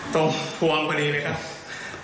ตรงพวงพอดีเลยครับ